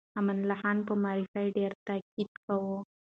امان الله خان په معارف ډېر تاکيد کاوه.